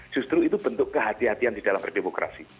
justru itu bentuk kehatian di dalam demokrasi